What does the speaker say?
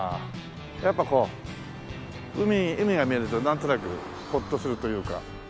やっぱこう海が見えるとなんとなくほっとするというか。